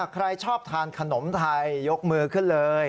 ใครชอบทานขนมไทยยกมือขึ้นเลย